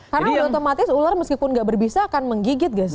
karena otomatis ular meskipun tidak berbisa akan menggigit gak sih